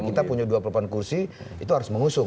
kita punya dua peluang kursi itu harus mengusung